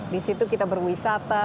di situ kita berwisata